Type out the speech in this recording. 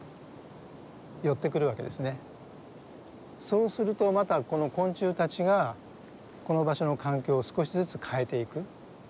そうするとまたこの昆虫たちがこの場所の環境を少しずつ変えていく。